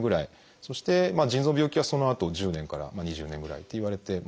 そして腎臓の病気はそのあと１０年から２０年ぐらいっていわれてますね。